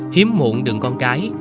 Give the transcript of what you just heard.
hiếm muộn đường con cái